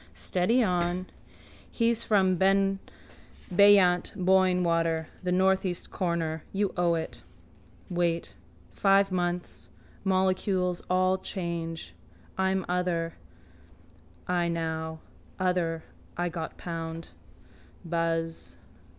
Steady on. He's from beyant Boyne water. The northeast corner. You owe it. Wait. Five months. Molecules all change. I am other I now. Other I got pound. Buzz.